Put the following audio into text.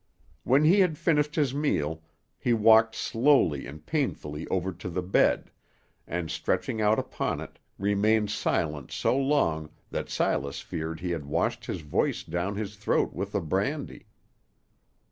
When he had finished his meal, he walked slowly and painfully over to the bed, and, stretching out upon it, remained silent so long that Silas feared he had washed his voice down his throat with the brandy.